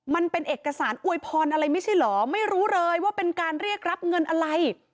มันเป็นเอกสารอวยพรอะไรไม่ใช่เหรอไม่รู้เลยว่าเป็นการเรียกรับเงินอะไร